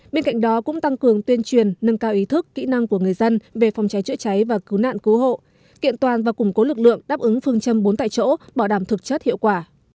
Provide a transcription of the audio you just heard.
bên cạnh đó cũng tăng cường tuyên truyền nâng cao ý thức kỹ năng của người dân về phòng cháy chữa cháy và cứu nạn cứu hộ kiện toàn và củng cố lực lượng đáp ứng phương châm bốn tại chỗ bảo đảm thực chất hiệu quả